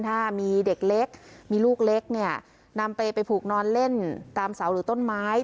ถ้ามีเด็กเล็กมีลูกเล็กเนี่ยนำไปผูกนอนเล่นตามเสาหรือต้นไม้